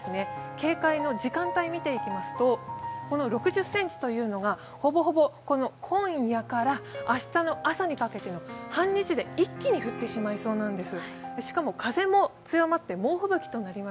警戒の時間帯、見ていきますと、６０ｃｍというのが、ほぼほぼ今夜から明日の朝にかけて、半日で一気に降ってしまいそうなんです。